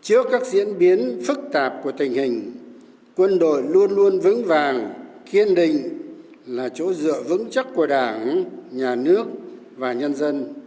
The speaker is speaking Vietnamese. trước các diễn biến phức tạp của tình hình quân đội luôn luôn vững vàng kiên định là chỗ dựa vững chắc của đảng nhà nước và nhân dân